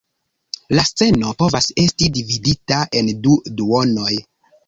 La sceno povas esti dividita en du duonoj.